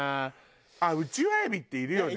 あっウチワエビっているよね。